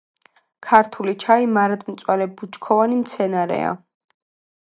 ქართული ჩაი მარადმწვანე ბუჩქოვანი მცენარეა.